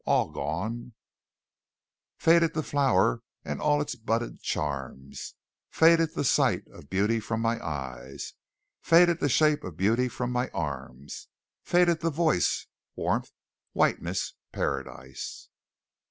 All gone "Faded the flower and all its budded charms, Faded the sight of beauty from my eyes, Faded the shape of beauty from my arms, Faded the voice, warmth, whiteness, paradise."